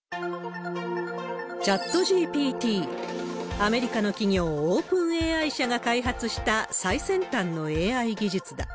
アメリカの企業、オープンＡＩ社が開発した最先端のＡＩ技術だ。